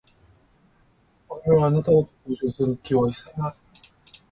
我々は、あなた方と交渉をする気は一切ない。